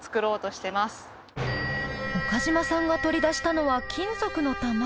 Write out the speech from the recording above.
岡島さんが取り出したのは金属の球。